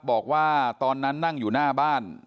บอกว่าตอนนั้นนั่งอยู่หน้าบ้าน